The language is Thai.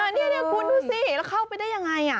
นี่คุณดูสิแล้วเข้าไปได้ยังไง